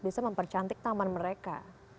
bisa mempercantik taman mereka